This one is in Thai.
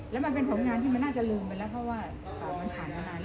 และเป็นผลงานที่มันน่าจะลืมไปแล้วเพราะว่ามันถ่ายนานาน